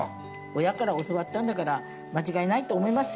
親から教わったんだから間違いないと思います。